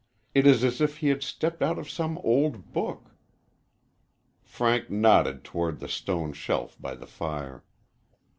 It is as if he had stepped out of some old book." Frank nodded toward the stone shelf by the fire.